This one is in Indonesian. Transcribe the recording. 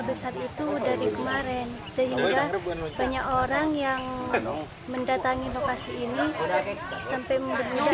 besar itu dari kemarin sehingga banyak orang yang mendatangi lokasi ini sampai meninggal